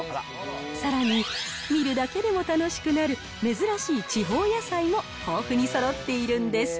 さらに、見るだけでも楽しくなる珍しい地方野菜も豊富にそろっているんです。